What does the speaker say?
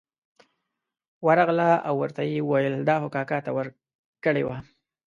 ورغله او ورته یې وویل دا خو کاکا ته ورکړې وه.